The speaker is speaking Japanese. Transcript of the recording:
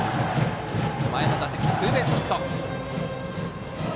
前の打席はツーベースヒット。